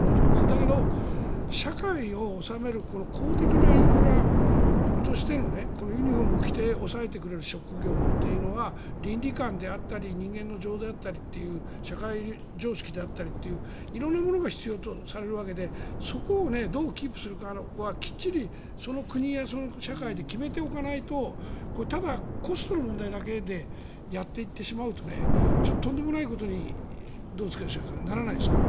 だけど社会を治める公的なインフラとしてのユニホームを着て抑えてくれる職業というのは倫理観であったり人間の情であったりという社会常識であったりという色んなものが必要とされるわけでそこをどうキープするかはきっちりその国やその社会で決めておかないとただコストの問題だけでやっていってしまうととんでもないことにならないですか？